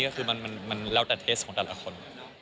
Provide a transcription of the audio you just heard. ก็คือมันแล้วแต่เทสของแต่ละคน